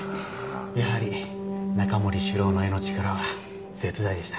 やはり中森司郎の絵の力は絶大でした。